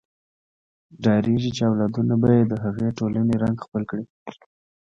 ډارېږي چې اولادونه به یې د هغې ټولنې رنګ خپل کړي.